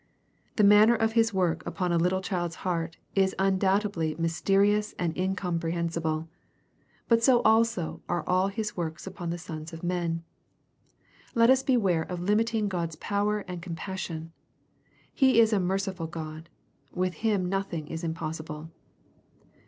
The manner of His work upon a little child's heart, is undoubtedly mysterious and incomprehensible. But so also are all His works upon the sons of men. Let us beware of limiting God's power and compassion. He is a merciful God. With Him nothing is impossible.